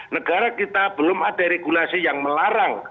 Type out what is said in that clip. negara kita belum ada regulasi yang melarang